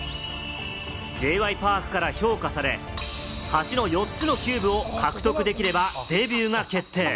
Ｊ．Ｙ．Ｐａｒｋから評価され、端の４つのキューブを獲得できればデビューが決定。